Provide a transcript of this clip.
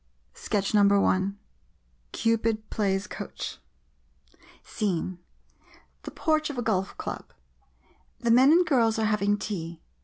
b. c. vm MODERN MONOLOGUES CUPID PLAYS COACH Scene — The porch of a golf club. The men and girls are having tea.